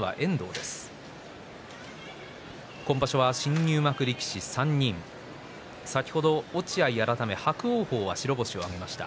今場所は新入幕力士３人先ほど落合改め伯桜鵬が白星を挙げました。